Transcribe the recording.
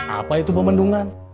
apa itu pemandungan